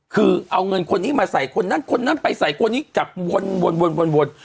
คือเอาเงินคนนี้มาใส่คนนั้นคนนั้นไปใส่คนนี้จับวน